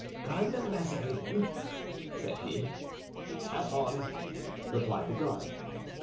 "Cardinal Mazarin?" said he. "Pass on," replied the guard.